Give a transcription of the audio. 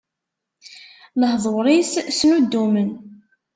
Lehduṛ-is snuddumen.